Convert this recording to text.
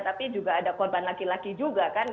tapi juga ada korban laki laki juga kan